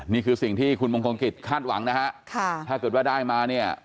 นี่คือสิ่งที่คุณมงคลกิจคาดหวังนะฮะค่ะถ้าเกิดว่าได้มาเนี่ย